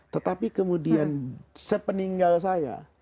tetapi kemudian sepeninggal saya